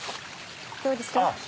どうですか？